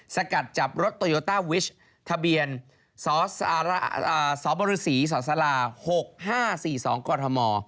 สกัดจับรถโตโยต้าวิชทะเบียนสบศ๖๕๔๒กรทม